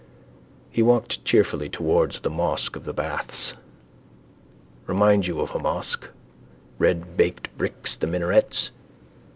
He walked cheerfully towards the mosque of the baths. Remind you of a mosque, redbaked bricks, the minarets.